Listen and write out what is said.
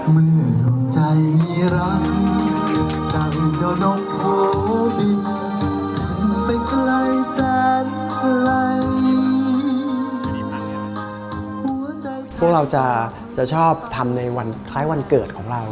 พวกเราจะชอบทำในวันคล้ายวันเกิดของเรา